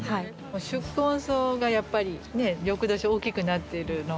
宿根草がやっぱりね翌年大きくなっている姿がね